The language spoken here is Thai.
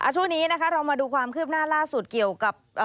ช่วงนี้นะคะเรามาดูความคืบหน้าล่าสุดเกี่ยวกับ